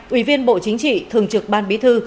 ủy viên bộ chính trị thường trực ban bí thư